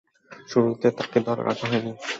শুরুতে তাকে দলে রাখা হয়নি।